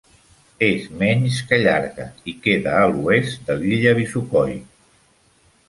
És menys que llarga i queda a l'oest de l'illa Visokoi.